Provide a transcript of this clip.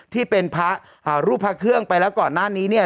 ที่เป็นพระรูปพระเครื่องไปแล้วก่อนหน้านี้เนี่ย